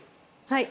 はい。